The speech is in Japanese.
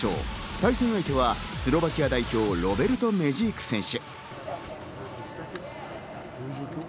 対戦相手はスロバキア代表、ロベルト・メジーク選手。